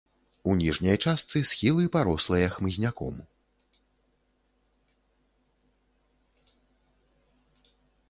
У ніжняй частцы схілы парослыя хмызняком.